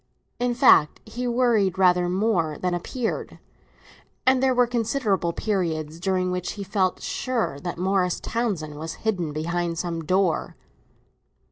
In fact he worried rather more than appeared, and there were considerable periods during which he felt sure that Morris Townsend was hidden behind some door.